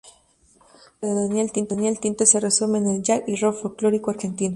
La música de Daniel Tinte se resume en un "jazz y rock folklórico argentino".